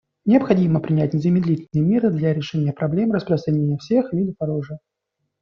Необходимо принять незамедлительные меры для решения проблемы распространения всех видов оружия.